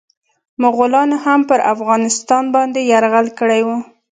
مغولانو هم پرافغانستان باندي يرغل کړی و.